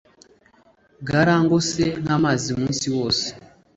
Bwarangose nk’amazi umunsi wose